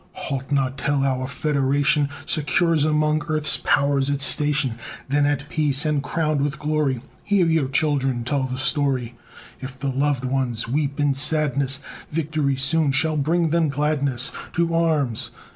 Halt not till our Federation Secures among earth's powers its station! Then at peace, and crowned with glory, Hear your children tell the story! If the loved ones weep in sadness, Victory soon shall bring them gladness, To arms!